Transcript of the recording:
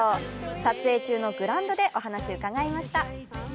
撮影中のグラウンドでお話を伺いました。